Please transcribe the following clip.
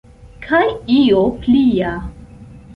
Kaj io plia.